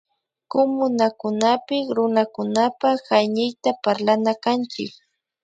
Kumunakunapik Runakunapak Hañiyta parlana kanchik